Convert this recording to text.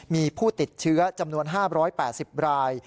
มีผู้ติดเชื้อจำนวน๕๘๐ราย